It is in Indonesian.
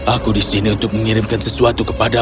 aku di sini untuk mengirimkan sesuatu kepada